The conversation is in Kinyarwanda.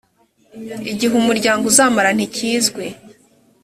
igihe umuryango uzamara ntikizwi